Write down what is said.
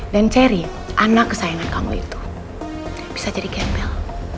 dan ceri anak kesayangan kamu itu bisa jadi gembel